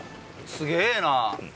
すげえな！